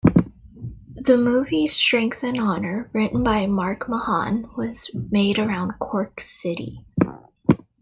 The movie "Strength and Honour" written by Mark Mahon was made around Cork City.